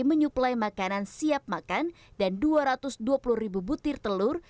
menyuplai makanan siap makan dan dua ratus dua puluh ribu butir telur